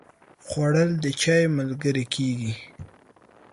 خوړل د چای ملګری کېږي